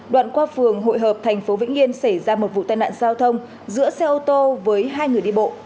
đoạn qua phường hội hợp thành phố vĩnh yên xảy ra một vụ tai nạn giao thông giữa xe ô tô với hai người đi bộ